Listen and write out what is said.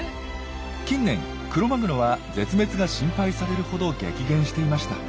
近年クロマグロは絶滅が心配されるほど激減していました。